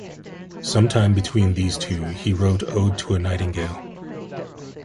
Sometime between these two, he wrote "Ode to a Nightingale".